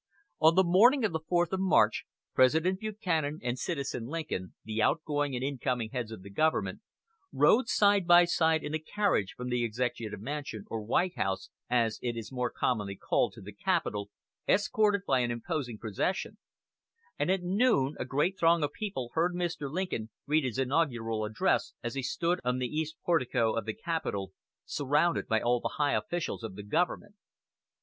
On the morning of the fourth of March President Buchanan and Citizen Lincoln, the outgoing and incoming heads of the government, rode side by side in a carriage from the Executive Mansion, or White House, as it is more commonly called, to the Capitol, escorted by an imposing procession; and at noon a great throng of people heard Mr. Lincoln read his inaugural address as he stood on the east portico of the Capitol, surrounded by all the high officials of the government.